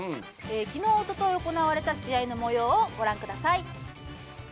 きのう、おととい行われた試合のもようをご覧ください。